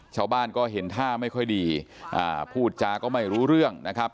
ชาวบ้านก็เห็นท่าไม่ค่อยดีพูดจาก็ไม่รู้เรื่องนะครับ